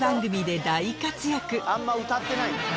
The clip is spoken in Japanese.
あんま歌ってないな。